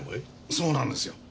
そうなんですよ。